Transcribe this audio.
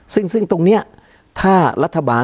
การแสดงความคิดเห็น